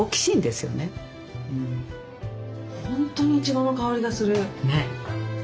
本当にいちごの香りがする。